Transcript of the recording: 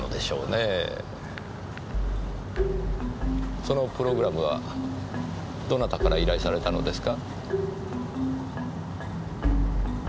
そのプログラムはどなたから依頼されたのですか？